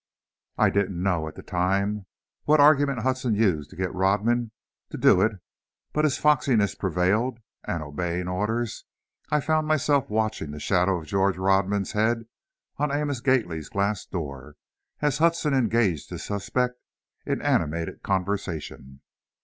I didn't know, at the time, what argument Hudson used to get Rodman to do it, but his foxiness prevailed and, obeying orders, I found myself watching the shadow of George Rodman's head on Amos Gately's glass door, as Hudson engaged his suspect in animated conversation.